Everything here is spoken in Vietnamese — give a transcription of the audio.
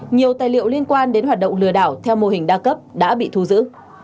nhiều tài liệu liên quan đến hoạt động lừa đảo theo mô hình đa cấp đã bị thu giữ